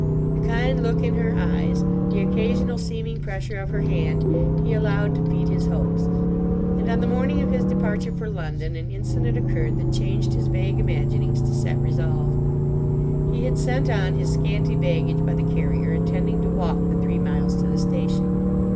The kind look in her eyes, the occasional seeming pressure of her hand, he allowed to feed his hopes; and on the morning of his departure for London an incident occurred that changed his vague imaginings to set resolve. He had sent on his scanty baggage by the carrier, intending to walk the three miles to the station.